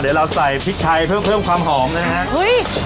เดี๋ยวเราใส่พริกไทยเพิ่มความหอมนะฮะ